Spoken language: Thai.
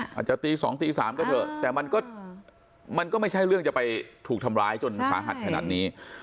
อาจจะตี๒ตี๓ก็เถอะแต่มันก็มันก็ไม่ใช่เรื่องจะไปถูกทำร้ายจนสาหัสขนาดนี้